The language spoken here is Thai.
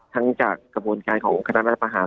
ทั้งจากกระบวนการของคณะรัฐประหาร